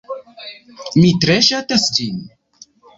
Mi tre ŝatas ĝin.